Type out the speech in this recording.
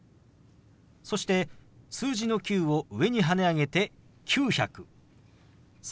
そして数字の「９」を上にはね上げて「９００」。